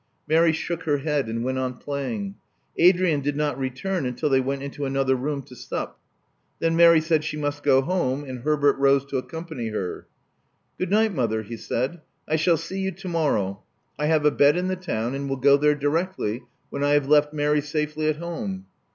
Mary shook her head and went on playing. Adrian did not return until they went into another room to sup. Then Mary said she must go home ; and Herbert rose to accompany her." Good night, mother," he said. I shall see you to morrow. I have a bed in the town, and will go there directly when I have left Mary safely at home."